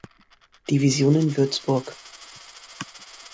Division in Würzburg.